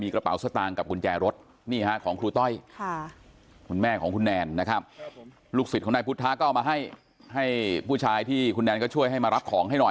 กว่าจะได้ของของคุณต้อยคืนนะครับ